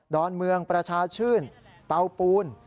อนเมืองประชาชื่นเตาปูน